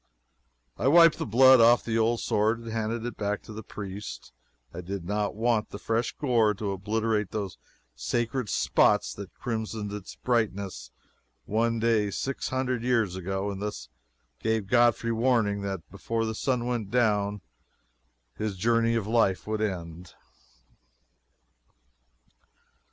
I wiped the blood off the old sword and handed it back to the priest I did not want the fresh gore to obliterate those sacred spots that crimsoned its brightness one day six hundred years ago and thus gave Godfrey warning that before the sun went down his journey of life would end.